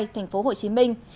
thành phố hồ chí minh